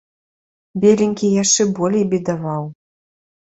Беленькі яшчэ болей бедаваў.